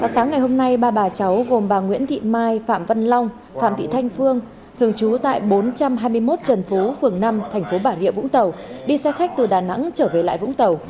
sáng ngày hôm nay ba bà cháu gồm bà nguyễn thị mai phạm văn long phạm thị thanh phương thường trú tại bốn trăm hai mươi một trần phú phường năm thành phố bà rịa vũng tàu đi xe khách từ đà nẵng trở về lại vũng tàu